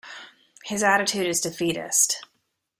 His attitude is defeatist.